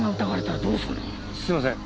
すいません